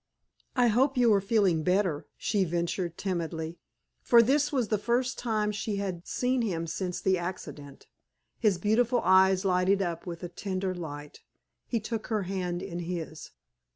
"I hope you are feeling better," she ventured, timidly; for this was the first time she had seen him since the accident. His beautiful eyes lighted up with a tender light. He took her hand in his.